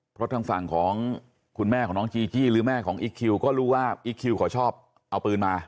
เพราะทางฝั่งของคุณแม่ของน้องจีจี้หรือแม่ของอีคคิวก็รู้ว่าอิ๊กคิวเขาชอบเอาปืนมา